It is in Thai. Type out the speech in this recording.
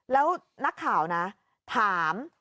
แล้วนักข่าวนะถาม